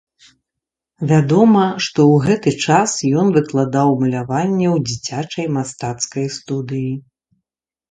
Вядома, што ў гэты ж час ён выкладаў маляванне ў дзіцячай мастацкай студыі.